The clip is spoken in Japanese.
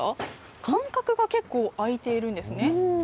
間隔が結構空いているんですね。